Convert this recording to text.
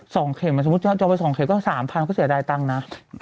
สองเข็มสมมุติเจ้าเอาไปสองเข็มก็๓๐๐๐ก็เสียดายตังค์นะ